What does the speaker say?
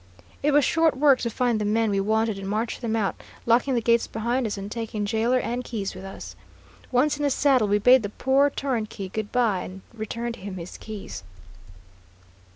It was short work to find the men we wanted and march them out, locking the gates behind us and taking jailer and keys with us. Once in the saddle, we bade the poor turnkey good by and returned him his keys.